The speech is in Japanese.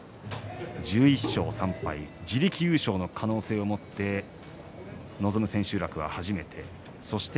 １１勝３敗、自力優勝の可能性を持って臨む千秋楽は初めて。